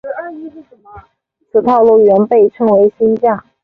此套路原被称为新架。